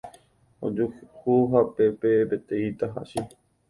ojuhu hapépe peteĩ tahachi